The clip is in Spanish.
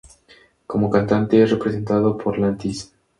Como cantante es representado por Lantis.